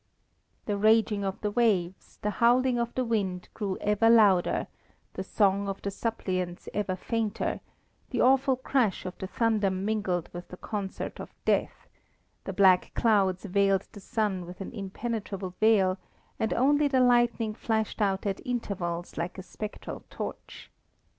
The raging of the waves, the howling of the wind, grew ever louder, the song of the suppliants ever fainter; the awful crash of the thunder mingled with the concert of Death; the black clouds veiled the sun with an impenetrable veil, and only the lightning flashed out at intervals like a spectral torch.